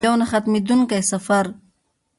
یو نه ختمیدونکی سفر.